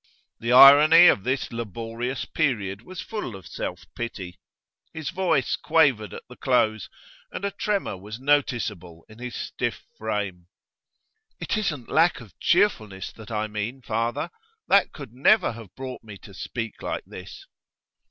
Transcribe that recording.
The irony of this laborious period was full of self pity. His voice quavered at the close, and a tremor was noticeable in his stiff frame. 'It isn't lack of cheerfulness that I mean, father. That could never have brought me to speak like this.